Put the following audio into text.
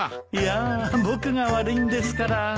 いやあ僕が悪いんですから。